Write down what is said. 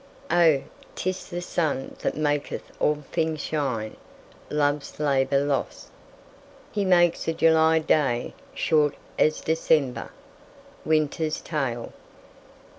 "Oh! 'tis the sun that maketh all things shine." Love's Labour Lost. "He makes a July day short as December." Winter's Tale.